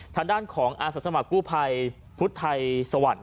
ทางด้านของอาสาสมัครกู้ภัยพุทธไทยสวรรค์